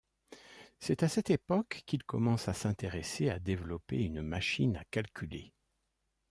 C’est à cette époque qu’il commence à s’intéresser à développer une machine à calculer.